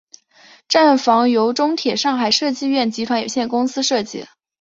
站房由中铁上海设计院集团有限公司设计。